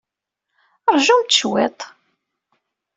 Ṛjumt cwiṭ.